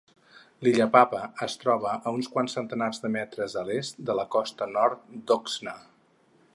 L'illa Papa es troba a uns quants centenars de metres a l'est de la costa nord d'Oxna.